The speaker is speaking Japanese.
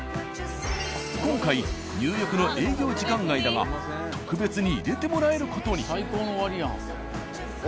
今回入浴の営業時間外だが特別に入れてもらえる事に。